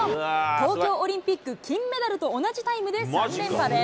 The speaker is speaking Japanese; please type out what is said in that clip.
東京オリンピック金メダルと同じタイムで３連覇です。